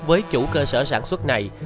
với chủ cơ sở sản xuất này